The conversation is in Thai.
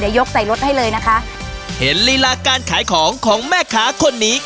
ยกใส่รถให้เลยนะคะเห็นลีลาการขายของของแม่ค้าคนนี้